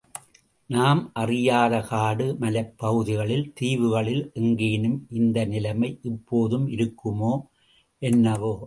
நாம் அறியாத காடு மலைப் பகுதிகளில் தீவுகளில் எங்கேனும் இந்த நிலைமை இப்போதும் இருக்குமோ என்னவோ!